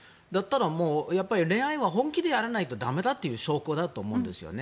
やっぱり恋愛はやらないとダメだという証拠だと思うんですよね。